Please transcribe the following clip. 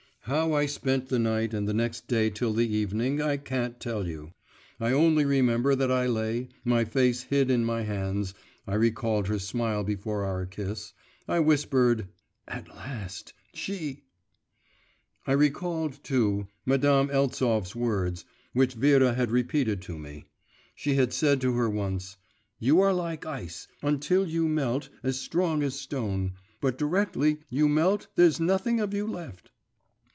How I spent the night and the next day till the evening I can't tell you. I only remember that I lay, my face hid in my hands, I recalled her smile before our kiss, I whispered 'At last, she.…' I recalled, too, Madame Eltsov's words, which Vera had repeated to me. She had said to her once, 'You are like ice; until you melt as strong as stone, but directly you melt there's nothing of you left.